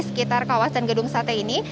sekitar kawasan gedung sate ini